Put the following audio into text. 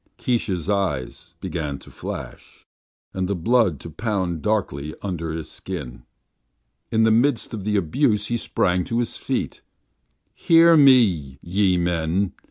Keesh's eyes began to flash, and the blood to pound darkly under his skin. In the midst of the abuse he sprang to his feet. "Hear me, ye men!"